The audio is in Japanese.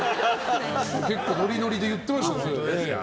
結構ノリノリで言ってましたよ。